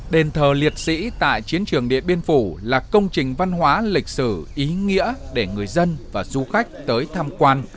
đền thờ liệt sĩ tại chiến trường điện biên phủ là công trình văn hóa lịch sử ý nghĩa để người dân và du khách tới tham quan